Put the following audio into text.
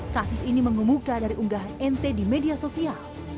kasus ini mengemuka dari unggahan nt di media sosial